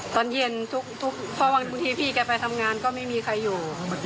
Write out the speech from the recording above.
ตอนเย็นทุกเพราะบางทีพี่แกไปทำงานก็ไม่มีใครอยู่